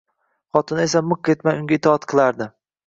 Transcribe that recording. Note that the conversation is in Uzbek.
Xotini esa miq etmay unga itoat qilardi